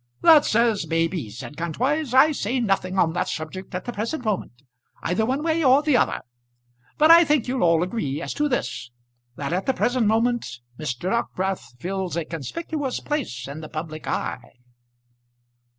"That's as may be," said Kantwise. "I say nothing on that subject at the present moment, either one way or the other. But I think you'll all agree as to this: that at the present moment Mr. Dockwrath fills a conspicuous place in the public eye."